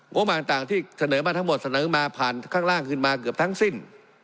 บมาต่างที่เสนอมาทั้งหมดเสนอมาผ่านข้างล่างขึ้นมาเกือบทั้งสิ้น